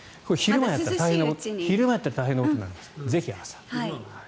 昼間にやったら大変なことになりますからぜひ朝に。